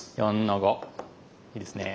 いいですね。